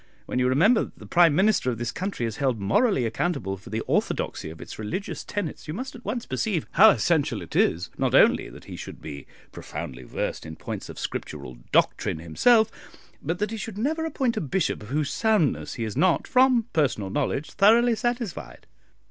When you remember that the Prime Minister of this country is held morally accountable for the orthodoxy of its religious tenets, you must at once perceive how essential it is, not only that he should be profoundly versed in points of Scriptural doctrine himself, but that he should never appoint a bishop of whose soundness he is not from personal knowledge thoroughly satisfied."